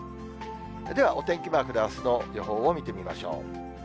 では、お天気マークであすの予報を見てみましょう。